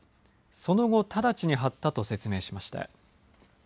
その後直ちに貼ったと説明しました。